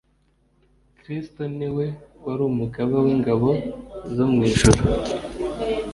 Kristo ni we wari umugaba w’ingabo zo mw’ijuru